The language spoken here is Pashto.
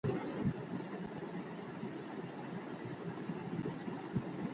له ارواپوهني پرته ښه تدریس ناشونی دی.